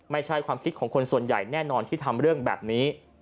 ไม่ใช่ความคิดของคนส่วนใหญ่แน่นอนที่ทำเรื่องแบบนี้